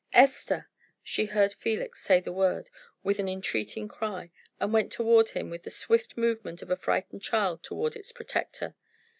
"Esther!" She heard Felix say the word, with an entreating cry, and went toward him with the swift movement of a frightened child toward its protector.